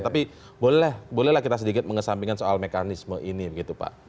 tapi bolehlah kita sedikit mengesampingkan soal mekanisme ini